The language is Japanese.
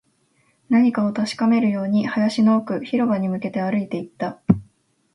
何かを確かめるように、林の奥、広場に向けて歩いていった